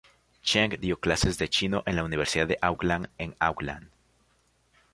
Cheng dio clases de chino en la Universidad de Auckland en Auckland.